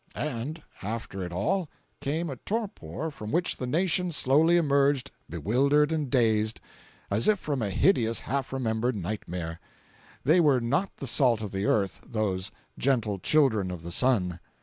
497.jpg (96K) And after it all, came a torpor from which the nation slowly emerged bewildered and dazed, as if from a hideous half remembered nightmare. They were not the salt of the earth, those "gentle children of the sun."